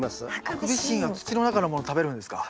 ハクビシンが土の中のもの食べるんですか？